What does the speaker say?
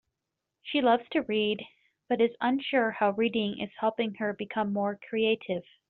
She loves to read, but is unsure how reading is helping her become more creative.